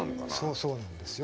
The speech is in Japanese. そうなんですよ。